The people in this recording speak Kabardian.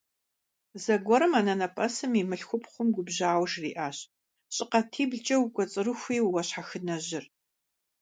Зэгуэрым анэнэпӀэсым и мылъхупхъум губжьауэ жриӀащ: – ЩӀыкъатиблкӀэ укӀуэцӀрыхуи уэ щхьэхынэжьыр!